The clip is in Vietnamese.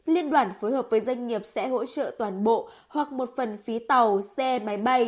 liên đoàn phối hợp với doanh nghiệp sẽ hỗ trợ toàn bộ hoặc một phần phí tàu xe máy bay